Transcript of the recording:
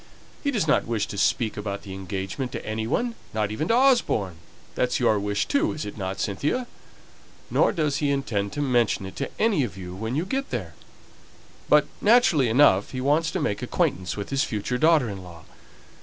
He does not wish to speak about the engagement to any one not even to Osborne that's your wish, too, isn't it, Cynthia? Nor does he intend to mention it to any of you when you go there; but, naturally enough, he wants to make acquaintance with his future daughter in law.